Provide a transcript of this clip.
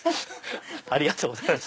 ありがとうございます。